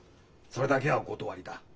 それだけはお断りだ。